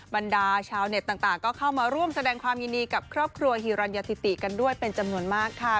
บรรดาชาวเน็ตต่างก็เข้ามาร่วมแสดงความยินดีกับครอบครัวฮีรัญญาติกันด้วยเป็นจำนวนมากค่ะ